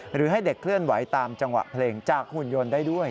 หรือให้เด็กเคลื่อนไหวตามจังหวะเพลงจากหุ่นยนต์ได้ด้วย